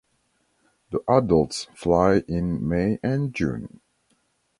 The adults fly in May and June.